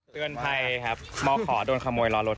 เตือนภัยครับมขอโดนขโมยล้อรถ